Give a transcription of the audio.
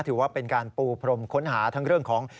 ถือว่าเป็นการปูพรมค้นหาทั้งเรื่องของ